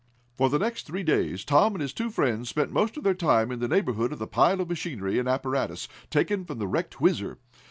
For the next three days Tom, and his two friends, spent most of their time in the neighborhood of the pile of machinery and apparatus taken from the wrecked WHIZZER.